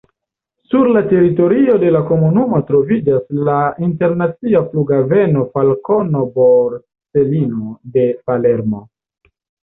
Sur la teritorio de la komunumo troviĝas la internacia Flughaveno Falcone-Borsellino de Palermo.